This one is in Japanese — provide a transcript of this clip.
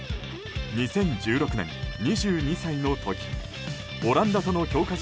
２０１６年、２２歳の時オランダとの強化